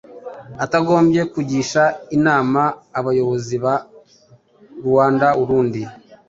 atagombye kugisha inama abayobozi ba Ruanda-Urundi.